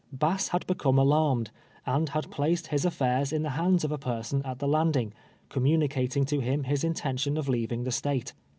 Bass had become alarmed, and had placed his aifairs in the hands of a person at the landing, communicating to him his intention of leaving the State.